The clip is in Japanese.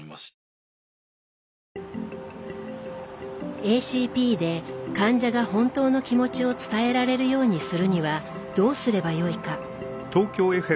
ＡＣＰで患者が本当の気持ちを伝えられるようにするにはどうすればよいか。